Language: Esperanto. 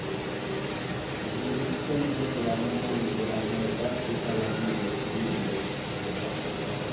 Ĝi ricevis la nomon de la nordafrika lando Libio.